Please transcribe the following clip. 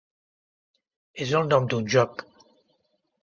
És el nom d'un joc.